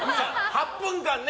８分間ね。